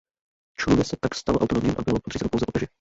Cluny se tak stalo autonomním a bylo podřízeno pouze papeži.